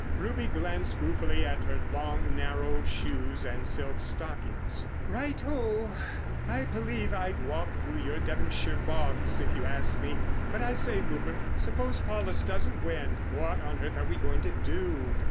Ruby glanced ruefully at her long narrow shoes and silk stockings. "Right ho! I believe I'd walk through your Devonshire bogs if you asked me. But I say, Rupert, suppose Paulus doesn't win? What on earth are we going to do?"